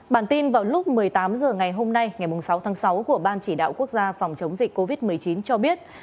bản tin vào lúc một mươi tám h ngày hôm nay ngày sáu tháng sáu của ban chỉ đạo quốc gia phòng chống dịch covid một mươi chín cho biết